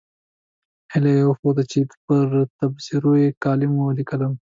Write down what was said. هیله یې وښوده چې پر تبصرو یې کالم ولیکم.